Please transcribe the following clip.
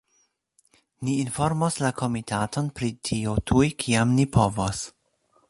Ni informos la komitaton pri tio tuj, kiam ni povos.